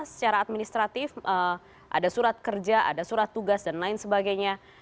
secara administratif ada surat kerja ada surat tugas dan lain sebagainya